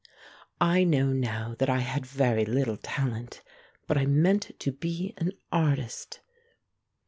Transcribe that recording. I know now that I had very little talent, but I meant to be an artist.